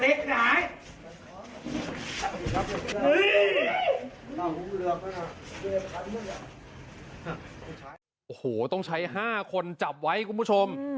โอ้โหต้องใช้๕คนจับไว้คุณผู้ชม